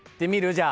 じゃあ。